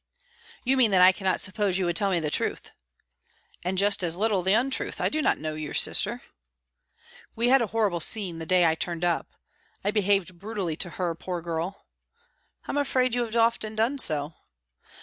"You mean that I cannot suppose you would tell me the truth." "And just as little the untruth. I do not know your sister." "We had a horrible scene that day I turned up. I behaved brutally to her, poor girl." "I'm afraid you have often done so."